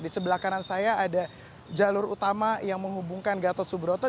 di sebelah kanan saya ada jalur utama yang menghubungkan gatot subroto